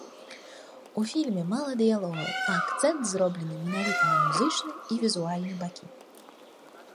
У фільме мала дыялогаў, а акцэнт зроблены менавіта на музычны і візуальны бакі.